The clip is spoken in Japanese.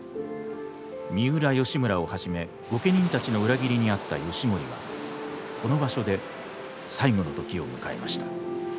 三浦義村をはじめ御家人たちの裏切りに遭った義盛はこの場所で最期の時を迎えました。